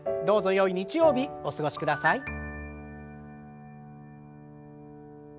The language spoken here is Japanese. どうぞよい日曜日お過ごしください。